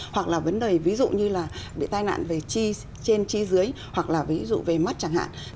hoặc là vấn đề ví dụ như là bị tài nạn trên chi dưới hoặc là ví dụ về mắt chẳng hạn